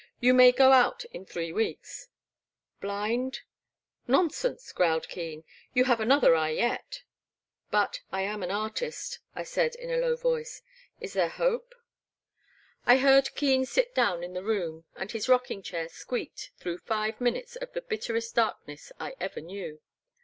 You may go out in three weeks. •* Blind? Nonsense,*' growled Keen, you have an other eye yet.*' But I am an artist, I said in a low voice, is there hope? " 142 (((( The Black Water. 143 I heard Keen sit down in the room, and his rocking chair squeaked through five minutes of the bitterest darkness I ever knew.